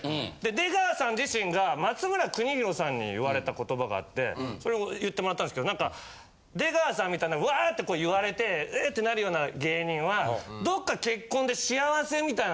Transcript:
出川さん自身が松村邦洋さんに言われた言葉があってそれを言ってもらったんすけど何か出川さんみたいなワーッて言われてウーッてなるような芸人はどっか。